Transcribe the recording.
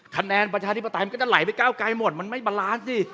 ประชาธิปไตยมันก็จะไหลไปก้าวไกลหมดมันไม่บาลานซ์สิ